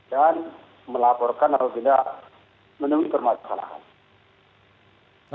dan melaporkan apabila menemui permasalahan